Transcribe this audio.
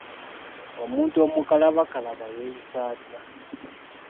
Omuntu omukalabakalaba yeeyisa atya?